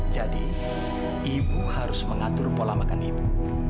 jadi ibu harus mengatur pola makan ibu